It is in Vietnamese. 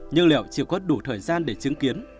nhưng liệu chỉ có đủ thời gian để chứng kiến